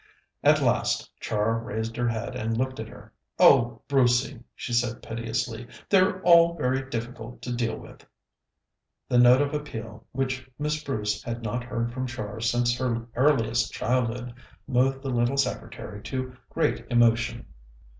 At last Char raised her head and looked at her. "Oh, Brucey," she said piteously, "they're all very difficult to deal with!" The note of appeal, which Miss Bruce had not heard from Char since her earliest childhood, moved the little secretary to great emotion.